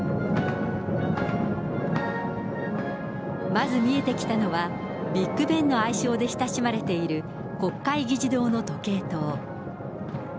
まず見えてきたのは、ビッグ・ベンの愛称で親しまれている国会議事堂の時計塔。